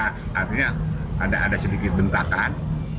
artinya ada sedikit bentakan